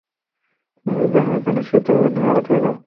তুমি ইবরাহীমের জন্যে শীতল ও নিরাপদ হয়ে যাও।